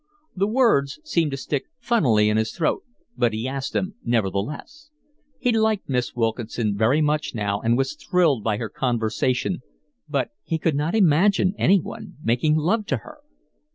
The words seemed to stick funnily in his throat, but he asked them nevertheless. He liked Miss Wilkinson very much now, and was thrilled by her conversation, but he could not imagine anyone making love to her.